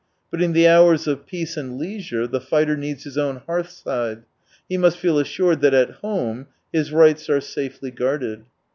But in the hours of peace and leisure the fighter needs his own hearth side, he must feel assured that at home his rights are safely guarded.